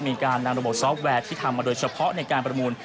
มีการนำระบบซอฟต์แวร์ที่ทำมาโดยเฉพาะในการประมูล